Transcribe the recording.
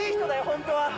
本当は。